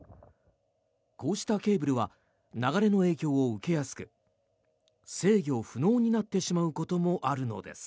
こうしたケーブルは流れの影響を受けやすく制御不能になってしまうこともあるのです。